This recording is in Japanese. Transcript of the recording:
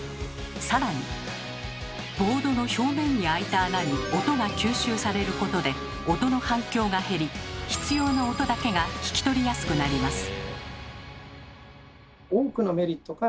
更にボードの表面にあいた穴に音が吸収されることで音の反響が減り必要な音だけが聞き取りやすくなります。